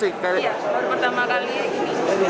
iya baru pertama kali